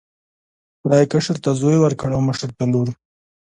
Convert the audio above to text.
خدای کشر ته زوی ورکړ او مشر ته لور.